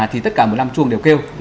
thì tất cả một mươi năm chuông đều kêu